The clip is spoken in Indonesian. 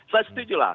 saya setuju lah